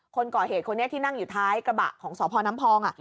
คนก่อเหตุคนนี้ที่นั่งอยู่ท้ายกระบะของสพน้ำพอง